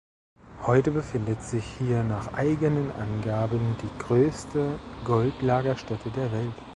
Heute befindet sich hier nach eigenen Angaben die größte Gold-Lagerstätte der Welt.